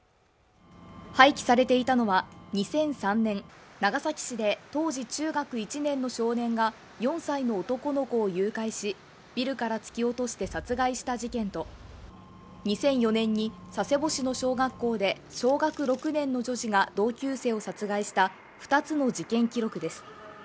廃棄されていたのは２００３年長崎市で当時中学１年の少年が４歳の男の子を誘拐しビルから突き落として殺害した事件と２００４年に佐世保市の小学校で小学６年の女児が同級生を殺害した２つの事件記録です